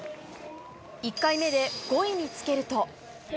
１回目で５位につけると。